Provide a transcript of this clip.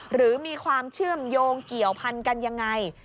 หรือมีความเชื่อมโยงเกี่ยวพันกันยังไง